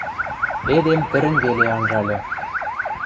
Эдем тӹрӹнь веле анжальы.